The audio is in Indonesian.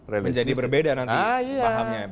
menjadi berbeda nanti pahamnya